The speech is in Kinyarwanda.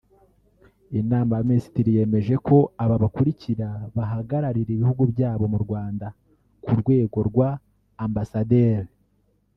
Inama y’Abaminisitiri yemeje ko aba bakurikira bahagararira ibihugu byabo mu Rwanda ku rwego rwa Ambasaderi